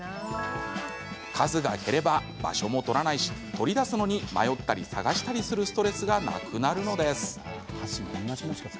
数が減れば場所も取らないし取り出すのに迷ったり探したりするストレスがなくなるのです。